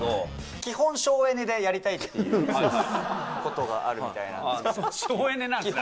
基本省エネでやりたいっていうことがあるみたいなんですけど。